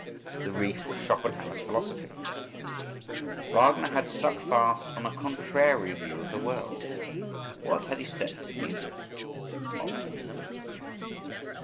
The reef was Schopenhauer's philosophy; Wagner had stuck fast on a contrary view of the world. What had he set to music? Optimism?